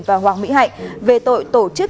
và hoàng mỹ hạnh về tội tổ chức